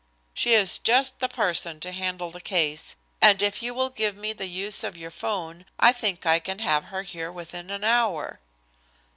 She is just the person to handle the case, and if you will give me the use of your 'phone I think I can have her here within an hour."